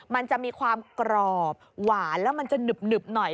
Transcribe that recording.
มันจะมีความกรอบหวานแล้วมันจะหนึบหน่อย